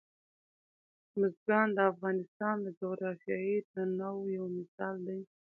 بزګان د افغانستان د جغرافیوي تنوع یو مثال دی.